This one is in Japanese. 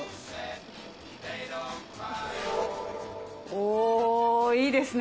おぉいいですね。